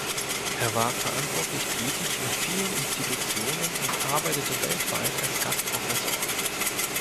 Er war verantwortlich tätig in vielen Institutionen und arbeitete weltweit als Gastprofessor.